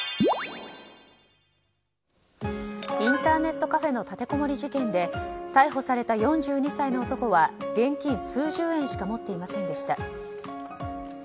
インターネットカフェの立てこもり事件で逮捕された４２歳の男は現金、数十円しか持っていませんでした。